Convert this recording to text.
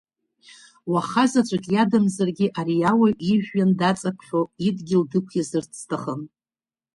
Уахызаҵәык иадамзаргьы ари ауаҩ ижәҩан даҵаԥхьо, идгьыл дықәиазарц сҭахын.